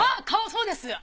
顔そうです。